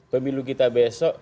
pemilu kita besok